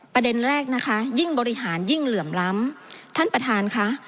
ประเด็นแรกนะคะยิ่งบริหารยิ่งเหลื่อมล้ำท่านประธานค่ะ